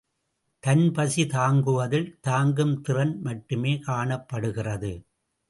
தன் பசி தாங்குவதில் தாங்கும் திறன் மட்டுமே காணப்படுகிறது.